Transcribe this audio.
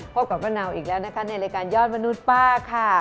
พบกับมะนาวอีกแล้วนะคะในรายการยอดมนุษย์ป้าค่ะ